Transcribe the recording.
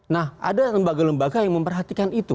nah ada lembaga lembaga yang memperhatikan itu